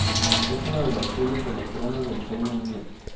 Es una de las joyas de la corona del Reino Unido.